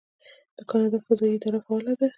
د کاناډا فضایی اداره فعاله ده.